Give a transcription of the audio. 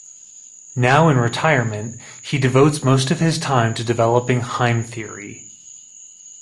Now in retirement, he devotes most of his time to developing Heim Theory.